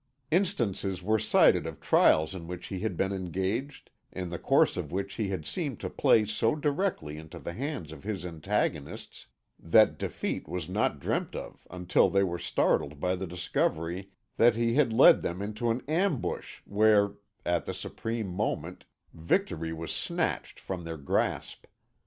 Instances were cited of trials in which he had been engaged, in the course of which he had seemed to play so directly into the hands of his antagonists that defeat was not dreamt of until they were startled by the discovery that he had led them into an ambush where, at the supreme moment, victory was snatched from their grasp.